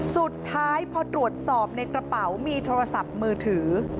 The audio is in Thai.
สุดท้ายพอตรวจสอบในกระเป๋ามีโทรศัพท์มือถือ